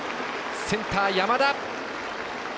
センター、山田！